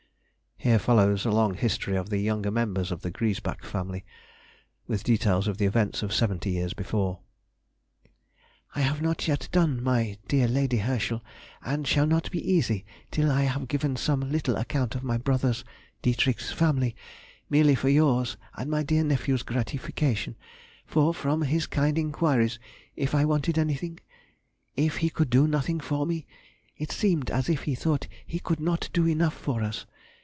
[Here follows a long history of the younger members of the Griesbach family, with details of the events of seventy years before.] ... I have not yet done, my dear Lady Herschel, and shall not be easy till I have given some little account of my brother's [Dietrich's] family, merely for yours and my dear nephew's gratification; for, from his kind inquiries if I wanted anything? if he could do nothing for me? it seemed as if he thought he could not do enough for us.